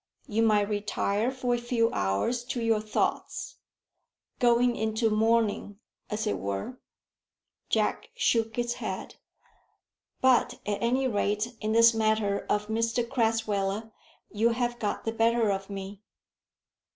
"You might retire for a few hours to your thoughts, going into mourning, as it were." Jack shook his head. "But, at any rate, in this matter of Mr Crasweller you have got the better of me."